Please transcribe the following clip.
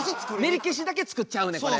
ねりけしだけ作っちゃうねこれ。